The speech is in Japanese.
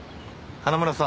花村さん